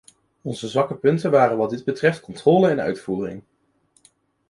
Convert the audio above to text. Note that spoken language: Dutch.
Onze zwakke punten waren wat dit betreft controle en uitvoering.